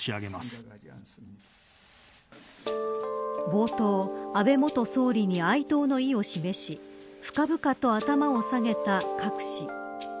冒頭、安倍元総理に哀悼の意を示し深々と頭を下げたカク氏。